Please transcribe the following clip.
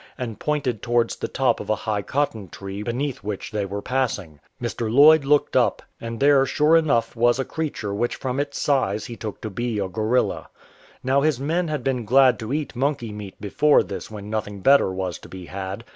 and pointed towards the top of a high cotton tree beneath which they were passing. Mr. Lloyd looked up, and there sure enough was a creature which from its size he took to be a gorilla. Now his men had been glad to eat monkey meat before this when nothing better was to be had.